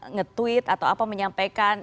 nge tweet atau apa menyampaikan